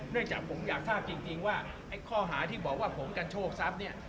จากผมอยากทราบจริงว่าไอ้ข้อหาที่บอกว่าผมกันโชคทรัพย์เนี่ย